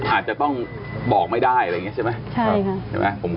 อาจจะต้องบอกไม่ได้อะไรอย่างนี้ใช่ไหม